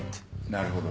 なるほど。